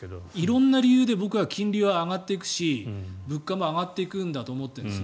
色んな理由で僕は金利はがっていくし物価も上がっていくと思ってるんです。